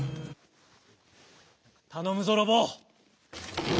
たのむぞロボ。